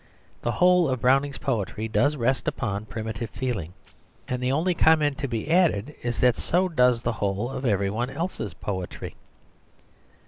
The whole of Browning's poetry does rest upon primitive feeling; and the only comment to be added is that so does the whole of every one else's poetry.